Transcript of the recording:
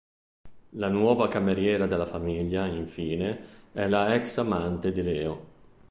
La nuova cameriera della famiglia, infine, è la ex amante di Leo.